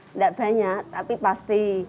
tidak banyak tapi pasti